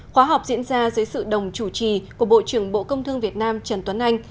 khóa học diễn ra dưới sự đồng chủ trì của bộ trưởng bộ công thương việt nam trần tuấn anh